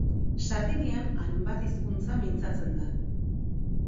Sardinian hainbat hizkuntza mintzatzen da.